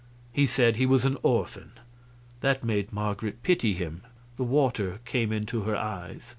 He said he was an orphan. That made Marget pity him. The water came into her eyes.